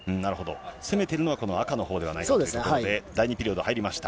攻めているのは、赤のほうではないかということで、第２ピリオド入りました。